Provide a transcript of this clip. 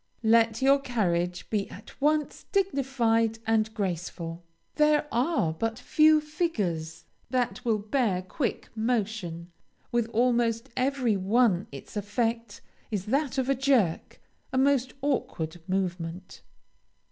Let your carriage be at once dignified and graceful. There are but few figures that will bear quick motion; with almost every one its effect is that of a jerk, a most awkward movement.